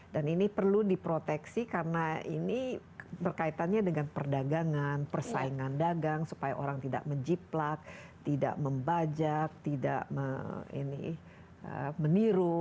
dan ini perlu diproteksi karena ini berkaitannya dengan perdagangan persaingan dagang supaya orang tidak menjiplak tidak membajak tidak meniru